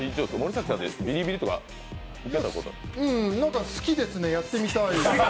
なんか好きですねやってみたい。